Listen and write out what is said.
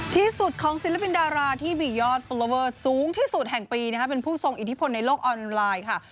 ที่สุดของศิลปินดาราที่มียอดฟอลลอเวอร์สูงที่สุดแห่งปีเป็นผู้ทรงอิทธิพลในโลกออนไลน์ค่ะ